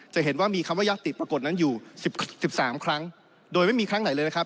จะเห็นว่ามีคำว่ายัตติปรากฏนั้นอยู่๑๓ครั้งโดยไม่มีครั้งไหนเลยนะครับ